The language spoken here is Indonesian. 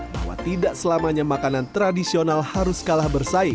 bahwa tidak selamanya makanan tradisional harus kalah bersaing